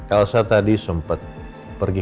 elsa tadi sempat pergi